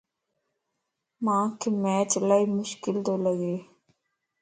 مانک Math الائي مشڪل تو لڳ